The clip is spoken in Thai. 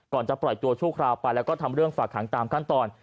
ก่อนจะปล่อยตัวชั่วคราวไปแล้วก็ทำเรื่องฝากขังตามขั้นตอน